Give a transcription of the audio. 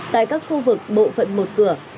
tại các khu vực bộ phận một cửa